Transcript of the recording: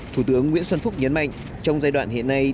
thủ tướng nguyễn xuân phúc nhấn mạnh trong giai đoạn hiện nay